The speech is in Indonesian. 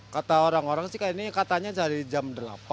kata orang orang sih ini katanya dari jam delapan